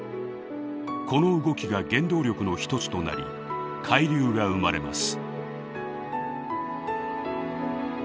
この動きが原動力の一つとなり海流が生まれます。